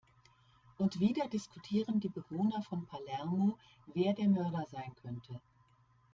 Und wieder diskutieren die Bewohner von Palermo, wer der Mörder sein könnte.